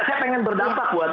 karena saya pengen berdampak buat